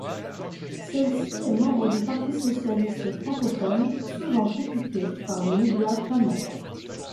Celle-ci est membre du Parti socialiste francophone, souvent critiqué par les médias flamands.